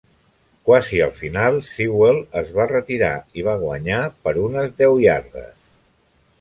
Quasi al final, Sewell es va retirar i va guanyar per unes deu iardes.